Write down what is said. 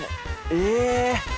え！？